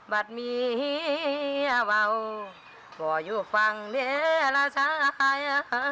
บัตรเมียเบาบ่อยุฟังเดลละชาย